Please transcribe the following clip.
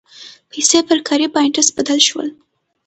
پیسې پر کاري پاینټس بدل شول.